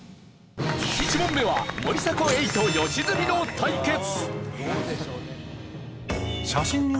１問目は森迫永依と吉住の対決。